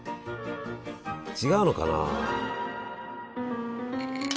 違うのかな。